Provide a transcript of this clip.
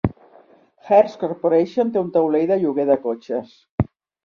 Hertz Corporation té un taulell de lloguer de cotxes.